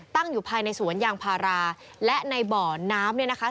ตั้งอยู่ภายในสวนยางพาราและในบ่อน้ำเนี่ยนะคะ